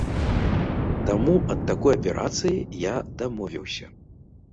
Таму ад такой аперацыі я дамовіўся.